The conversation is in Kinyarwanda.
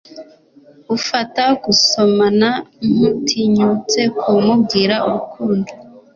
ufata gusomana nkutinyutse ku mubwira urukundo